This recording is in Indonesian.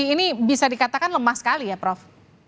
ini bisa dikatakan lemah sekali ya prof